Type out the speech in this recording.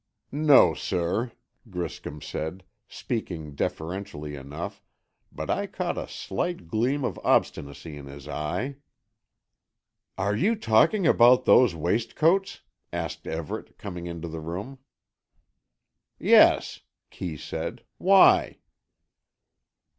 "No, sir," Griscom said, speaking deferentially enough, but I caught a slight gleam of obstinacy in his eye. "Are you talking about those waistcoats?" asked Everett, coming into the room. "Yes," Kee said, "why?"